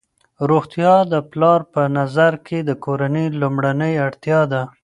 روغتیا د پلار په نظر کې د کورنۍ لومړنۍ اړتیا ده.